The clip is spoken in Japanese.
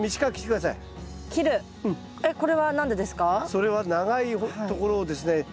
それは長いところをですね